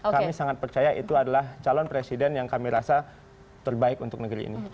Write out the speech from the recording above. kami sangat percaya itu adalah calon presiden yang kami rasa terbaik untuk negeri ini